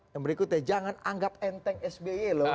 yang berikutnya jangan anggap enteng sby loh